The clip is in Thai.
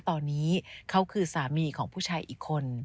ตอนนี้เขาคือสามีของผู้ชายอีกคน